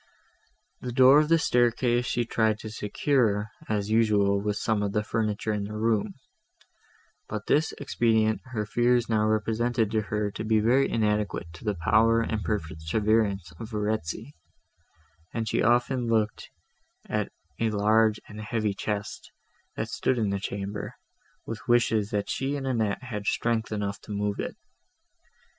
The door of the staircase she tried to secure, as usual, with some of the furniture of the room; but this expedient her fears now represented to her to be very inadequate to the power and perseverance of Verezzi; and she often looked at a large and heavy chest, that stood in the chamber, with wishes that she and Annette had strength enough to move it.